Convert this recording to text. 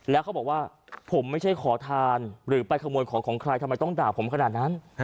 แล้วเขาบอกว่าผมไม่ใช่ขอทานหรือไปขโมยของของใครทำไมต้องด่าผมขนาดนั้น